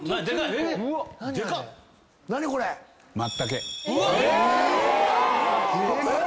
えっ⁉